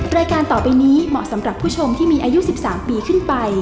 รายการต่อไปนี้เหมาะสำหรับผู้ชมที่มีอายุ๑๓ปีขึ้นไป